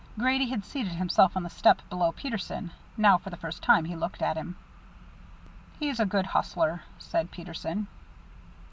Grady had seated himself on the step below Peterson. Now for the first time he looked at him. "He's a good hustler," said Peterson.